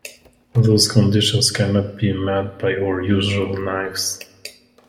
Those conditions cannot be met by other usual knives.